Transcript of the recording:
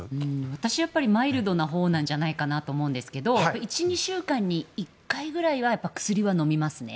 私マイルドなほうなんじゃないかなと思いますけど１２週間に１回くらいは薬は飲みますね。